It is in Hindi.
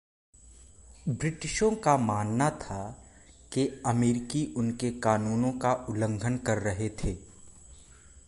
ब्रिटिशों का मानना था के अमरीकी उनके कानूनों का उल्लंघन कर रहे थे।